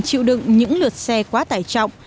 chịu đựng những lượt xe quá tải trọng